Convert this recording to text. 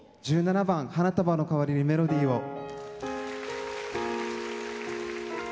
１７番「花束のかわりにメロディーを」。